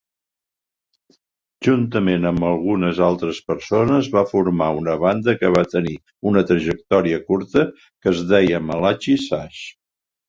Juntament amb algunes altres persones va forma una banda que va tenir una trajectòria curta que es deia Malachi Sage.